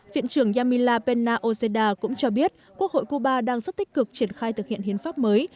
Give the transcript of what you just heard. viện trưởng yamila pena ozeda cũng cho biết quốc hội cuba đang rất tích cực triển khai thực hiện hiến pháp mới